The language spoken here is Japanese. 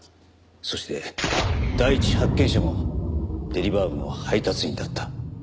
そして第一発見者もデリバー部の配達員だった。